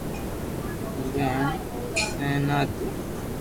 اُو وي ھين س نا ا تي